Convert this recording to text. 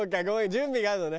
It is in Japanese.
準備があるのね。